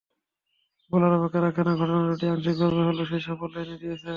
বলার অপেক্ষা রাখে না, ঘটনা দুটি আংশিকভাবে হলেও সেই সাফল্য এনে দিয়েছে।